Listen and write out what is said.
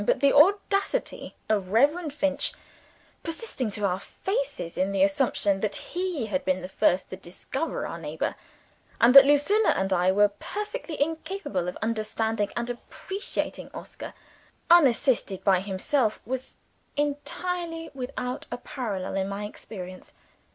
But the audacity of Reverend Finch persisting to our faces in the assumption that he had been the first to discover our neighbor, and that Lucilla and I were perfectly incapable of understanding and appreciating Oscar, unassisted by him was entirely without a parallel in my experience.